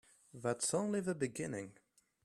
That's only the beginning.